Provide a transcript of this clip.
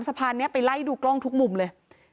สะพานนี้ไปไล่ดูกล้องทุกมุมเลย